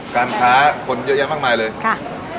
การค้าคนเยอะแยะมากมายเลยค่ะ